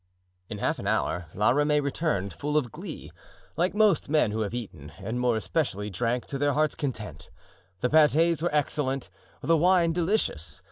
In half an hour La Ramee returned, full of glee, like most men who have eaten, and more especially drank to their heart's content. The pates were excellent, the wine delicious.